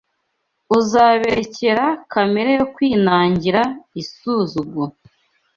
uzabererekera kamere yo kwinangira isuzugura